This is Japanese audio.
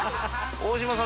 大島さん